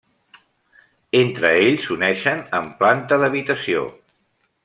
Entre ells s'uneixen en planta d'habitació.